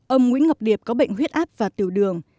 ông nguyễn ngọc điệp có bệnh huyết áp và tiểu đường